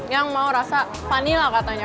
yang mau rasa vanila katanya